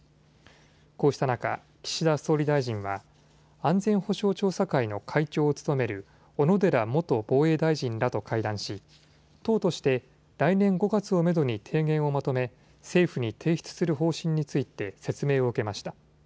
こうした中、岸田総理大臣は安全保障調査会の会長を務める小野寺元防衛大臣らと会談し、党として来年５月をめどに提言をまとめ政府に提出する方針について説明を受けました。